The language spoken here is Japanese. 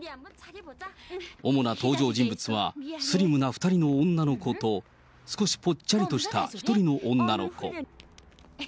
主な登場人物は、スリムな２人の女の子と、少しぽっちゃりとした１人の女の子。